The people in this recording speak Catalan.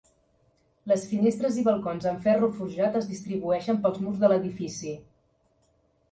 Les finestres i balcons amb ferro forjat es distribueixen pels murs de l'edifici.